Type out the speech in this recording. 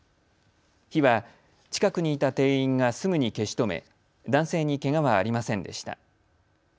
火は、近くにいた店員がすぐに消し止め男性にけがはありませんでした。